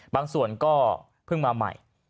บางส่วนก็เพิ่งมาใหม่